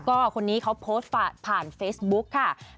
ก็คนนี้เขาโพสต์ผ่านเฟซบุ๊กค่ะ